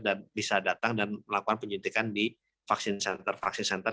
dan bisa datang dan melakukan penyintikan di vaksin center vaksin center